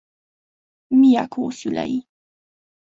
Mijako szülei.